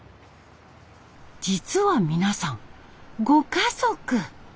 実は皆さんご家族。